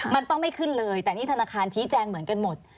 มันต้องไม่ขึ้นเลยแต่นี่ธนาคารชี้แจงเหมือนกันหมด